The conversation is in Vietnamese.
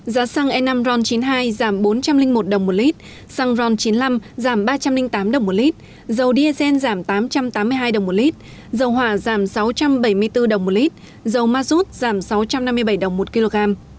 giá xăng e năm ron chín mươi hai giảm bốn trăm linh một đồng một lít xăng ron chín mươi năm giảm ba trăm linh tám đồng một lít dầu diesel giảm tám trăm tám mươi hai đồng một lít dầu hỏa giảm sáu trăm bảy mươi bốn đồng một lít dầu ma rút giảm sáu trăm năm mươi bảy đồng một kg